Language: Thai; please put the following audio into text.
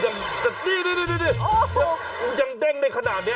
ยังเด้งฉันได้ขนาดนี้